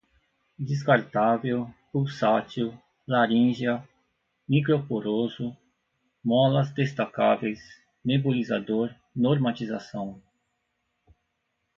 descartável, pulsátil, laríngea, microporoso, molas destacáveis, nebulizador, normatização